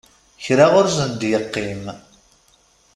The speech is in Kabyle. Kra ur sen-d-yeqqim.